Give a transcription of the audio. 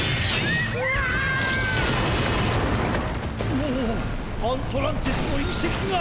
おおアントランティスのいせきが。